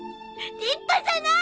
立派じゃない！